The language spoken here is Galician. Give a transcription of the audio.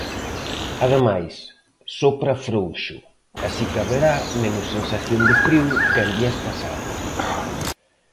Ademais, sopra frouxo, así que haberá menos sensación de frío que en días pasados.